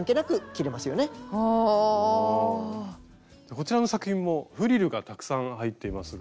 こちらの作品もフリルがたくさん入っていますが。